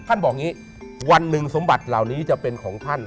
มันบอกวันนึงสมบัติเหล่านี้จะเป็นของท่าน